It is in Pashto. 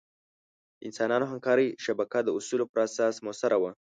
د انسانانو همکارۍ شبکه د اصولو پر اساس مؤثره وه.